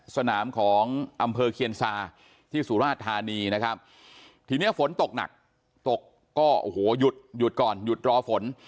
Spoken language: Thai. สนามของอำเภอเคียนซาที่สุราชธานีนะครับทีนี้ฝนตกหนักตกก็โอ้โหหยุดหยุดก่อนหยุดรอฝน